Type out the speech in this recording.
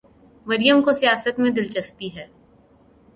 مریم کو سیاست میں دلچسپی ہے۔